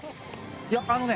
いやあのね